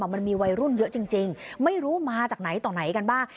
มันมีวัยรุ่นเยอะจริงไม่รู้มาจากไหนต่อไหนกันบ้าง